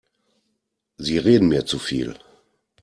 Sie reden mir zu viel.